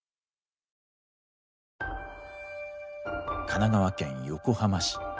神奈川県横浜市。